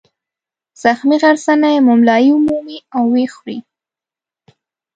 زخمي غرڅنۍ مُملایي ومومي او ویې خوري.